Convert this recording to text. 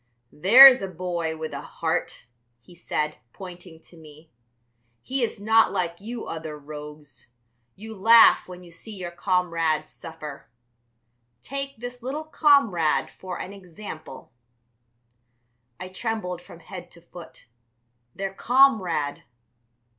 "There's a boy with a heart," he said, pointing to me; "he is not like you other rogues; you laugh when you see your comrades suffer. Take this little comrade for an example." I trembled from head to foot. Their comrade!